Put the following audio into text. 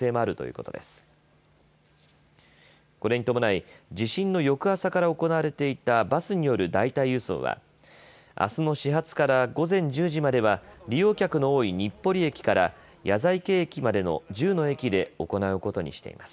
これに伴い、地震の翌朝から行われていたバスによる代替輸送はあすの始発から午前１０時までは利用客の多い日暮里駅から谷在家駅までの１０の駅で行うことにしています。